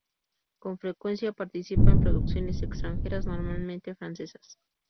Con frecuencia participa en producciones extranjeras, normalmente francesas.